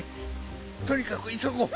とにかくいそごう。